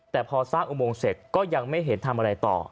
แต่พอสร้างอุโมงเสร็จก็ยังไม่เห็นทำอะไรต่อ